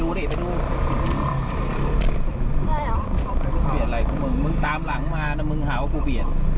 มึงตามมาหลังนะปืนแบบกูเปลี่ยน